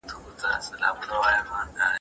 د شریعت احکام د انسانانو د سوکالۍ لپاره دي.